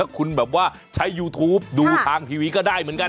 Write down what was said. คุณใช้ยูทูปดูทางทีวีก็ได้เหมือนกันนะ